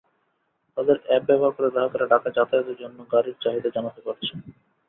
তাদের অ্যাপ ব্যবহার করে গ্রাহকেরা ঢাকায় যাতায়াতের জন্য গাড়ির চাহিদা জানাতে পারছেন।